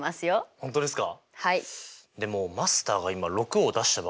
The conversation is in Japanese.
本当ですか？